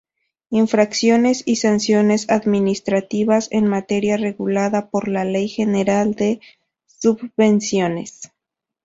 Infracciones y Sanciones administrativas en materia regulada por la Ley General de Subvenciones.